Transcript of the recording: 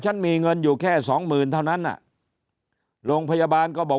มีเงินอยู่แค่สองหมื่นเท่านั้นอ่ะโรงพยาบาลก็บอก